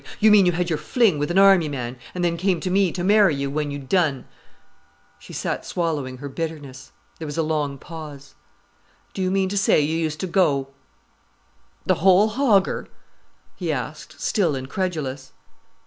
"You mean you had your fling with an army man, and then came to me to marry you when you'd done——" She sat swallowing her bitterness. There was a long pause. "Do you mean to say you used to go—the whole hogger?" he asked, still incredulous.